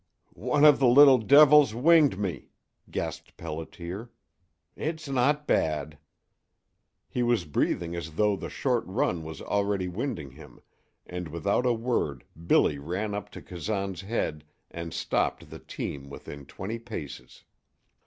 "One of the little devil's winged me," gasped Pelliter. "It's not bad." He was breathing as though the short run was already winding him, and without a word Billy ran up to Kazan's head and stopped the team within twenty paces.